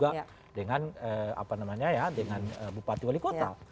gubernur dan juga dengan bupati wali kota